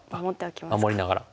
守りながら。